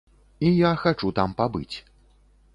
І я хачу там пабыць.